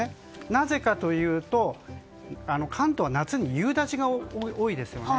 なぜかというと関東は夏に夕立が多いですよね。